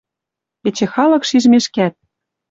Эче халык шижмешкӓт